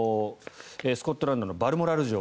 スコットランドのバルモラル城